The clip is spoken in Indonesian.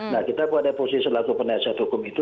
nah kita pada posisi selaku penasihat hukum itu